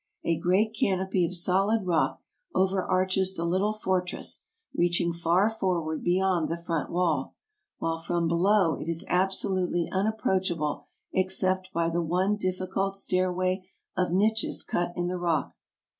A great canopy of solid rock overarches the little fortress, reaching far forward beyond the front wall, while from below it is absolutely unapproachable except by the one difficult stairway of niches cut in the rock.